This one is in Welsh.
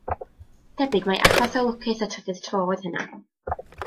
Debyg mai achos o lwcus y trydydd tro oedd hynna.